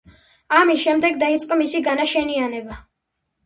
ამის შემდეგ დაიწყო მისი განაშენიანება.